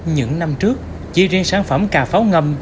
những năm trước chi riêng sản phẩm cà pháo ngầm